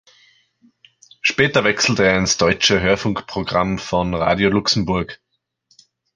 Später wechselte er ins deutsche Hörfunkprogramm von Radio Luxemburg.